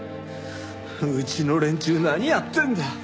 うちの連中何やってんだ！